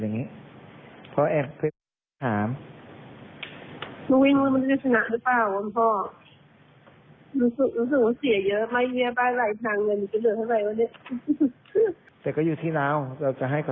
ทุกคดีเลยเหรอเพราะเสียเงินเท่านั้นแหละ